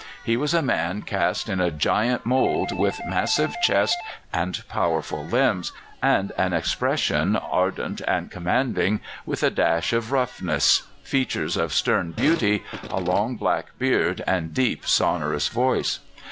He was a man cast in a giant mould, with massive chest and powerful limbs, and an expression ardent and commanding, with a dash of roughness, features of stern beauty, a long black beard, and deep, sonorous voice.